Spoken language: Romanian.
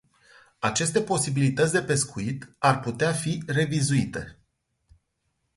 Aceste posibilități de pescuit ar putea fi revizuite.